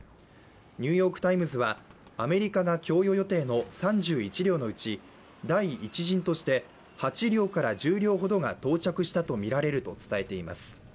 「ニューヨーク・タイムズ」はアメリカが供与予定の３１両のうち第１陣として８両から１０両ほどが到着したとみられると伝えています。